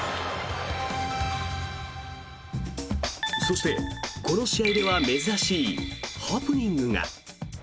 そして、この試合では珍しいハプニングが。